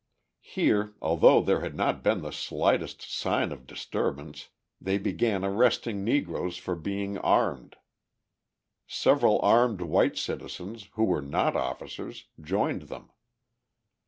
Here, although there had been not the slightest sign of disturbance, they began arresting Negroes for being armed. Several armed white citizens, who were not officers, joined them.